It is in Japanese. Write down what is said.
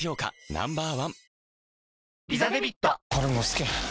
Ｎｏ．１